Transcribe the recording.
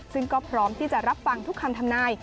ซึ่งก็พร้อมที่จะรับฟังทุกคำทำนาย